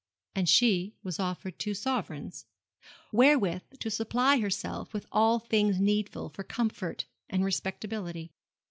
And she was offered two sovereigns, wherewith to supply herself with all things needful for comfort and respectability.